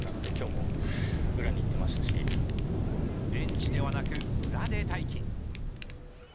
ベンチではなく、裏で待機。